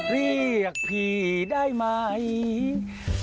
เรียกพี่ได้ไหม